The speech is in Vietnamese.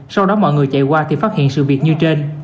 sau đó mọi người chạy qua thì phát hiện sự việc như trên